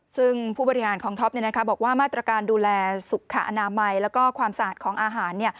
ซึ่งผู้บริหารของท็อปบอกว่ามาตรการดูแลสุขอนามัยแล้วก็ความสะอาดของอาหาร